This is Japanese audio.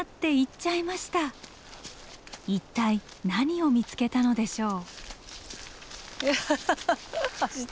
一体何を見つけたのでしょう？